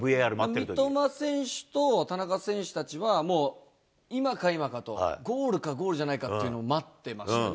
三笘選手と田中選手たちは、もう今か、今かとゴールか、ゴールじゃないかっていうのを待ってましたね。